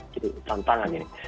jadi tantangan ini